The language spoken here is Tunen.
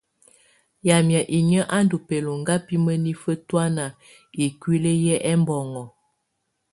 Yamɛ̀á inƴǝ́ á ndù bɛlɔŋga bi mǝnifǝ tɔ̀ána ikuili yɛ ɛmbɔŋɔ.